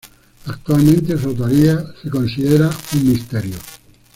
Actualmente su autoría se considera un misterio.